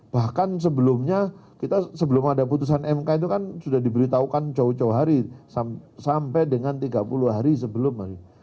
bahkan sebelumnya kita sebelum ada putusan mk itu kan sudah diberitahukan jauh jauh hari sampai dengan tiga puluh hari sebelum hari ini